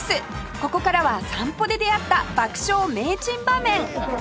ここからは散歩で出会った爆笑名珍場面